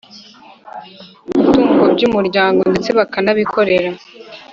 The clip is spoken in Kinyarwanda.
Mutungo by umuryango ndetse bakanabikorera